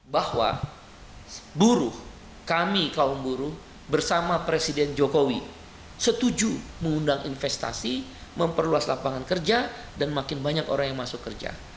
bahwa buruh kami kaum buruh bersama presiden jokowi setuju mengundang investasi memperluas lapangan kerja dan makin banyak orang yang masuk kerja